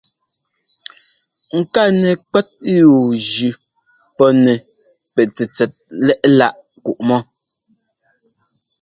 Ŋká nɛkwɛt yúujʉ pɔŋnɛ́ pɛ tsɛtsɛt lɛ́ꞌláꞌ kuꞌmɔ.